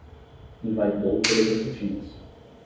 Invalidou todas as rotinas